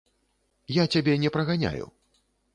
Я цябе не праганяю.